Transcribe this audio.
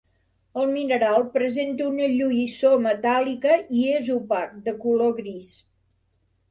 El mineral presenta una lluïssor metàl·lica i és opac de color gris.